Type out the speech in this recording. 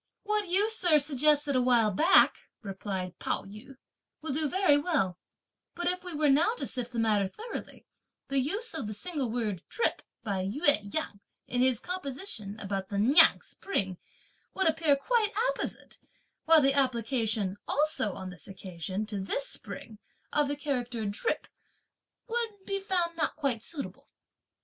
"What you, sir, suggested a while back," replied Pao yü, "will do very well; but if we were now to sift the matter thoroughly, the use of the single word 'drip' by Ou Yang, in his composition about the Niang spring, would appear quite apposite; while the application, also on this occasion, to this spring, of the character 'drip' would be found not quite suitable.